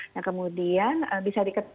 nah kemudian bisa diketahui